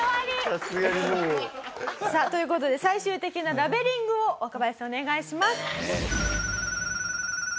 さすがにもう。という事で最終的なラベリングを若林さんお願いします。